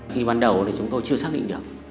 khi ban đầu thì chúng tôi chưa xác định được